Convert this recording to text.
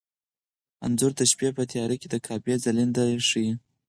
انځور د شپې په تیاره کې د کعبې ځلېدنه ښيي.